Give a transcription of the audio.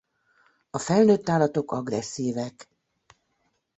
A felnőtt állatok agresszívek.